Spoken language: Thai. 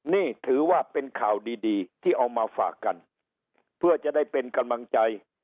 นี่ถือว่าเป็นข่าวดีดีที่เอามาฝากกันเพื่อจะได้เป็นกำลังใจ